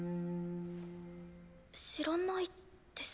知らないです。